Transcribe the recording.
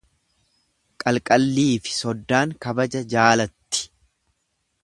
Qalqalliifi soddaan kabaja jaalatti.